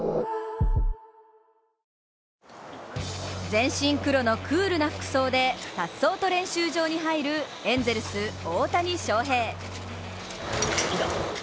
全身黒のクールな服装でさっそうと練習場に入るエンゼルス・大谷翔平。